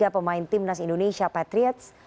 tiga pemain tim nas indonesia patriots